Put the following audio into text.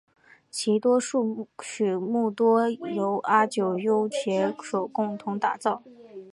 其多数曲目多由阿久悠携手共同打造。